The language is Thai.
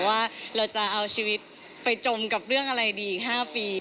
ว่าเราจะเอาชีวิตไปจมกับเรื่องอะไรดีอีก๕ปี